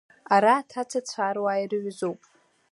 Ара аҭацацәа ар-уаа ирҩызоуп…